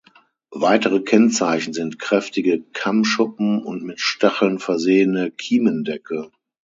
Weitere Kennzeichen sind kräftige Kammschuppen und mit Stacheln versehene Kiemendeckel.